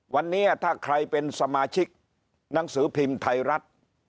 วันนี้ถ้าใครเป็นสมาชิกหนังสือพิมพ์ไทยรัฐ